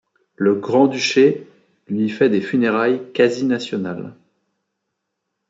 Le grand-duché lui fait des funérailles quasi nationales.